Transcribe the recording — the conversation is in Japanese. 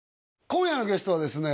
今夜のゲストはですね